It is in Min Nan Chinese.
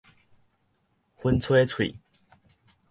薰吹喙